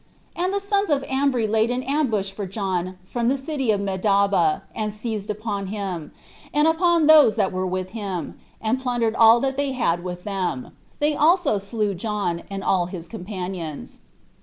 And the sons of Ambri laid an ambush for John from the city Medaba, and seized upon him, and upon those that were with him, and plundered all that they had with them. They also slew John, and all his companions.